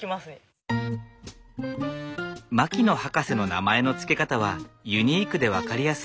牧野博士の名前の付け方はユニークで分かりやすい。